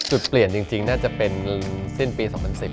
จุดเปลี่ยนจริงน่าจะเป็นสิ้นปี๒๐๑๐